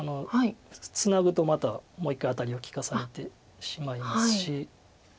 ツナぐとまたもう１回アタリを利かされてしまいますし。